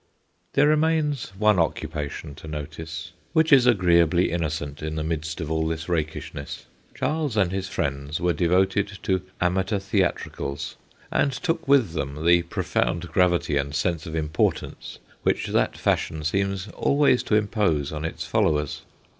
There remains one occupation to notice, which is agreeably innocent in the midst of all this rakishness. Charles and his friends were devoted to 'amateur theatricals/ and took them with the profound gravity and sense of importance which that fashion seems always to impose on its followers.